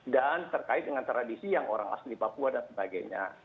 dan terkait dengan tradisi yang orang asli papua dan sebagainya